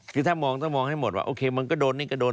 คือถ้ามองต้องมองให้หมดว่าโอเคมันก็โดนนี่ก็โดน